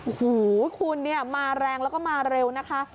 โอ้โหคุณเนี่ยมาแรงแล้วก็มาเร็วนะคะ